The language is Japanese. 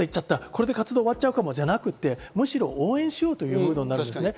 これで活動終わっちゃうかもじゃなくて、むしろ応援しようという風潮になる。